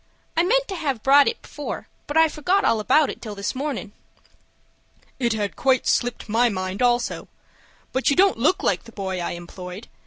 I meant to have brought it before, but I forgot all about it till this mornin'." "It had quite slipped my mind also. But you don't look like the boy I employed.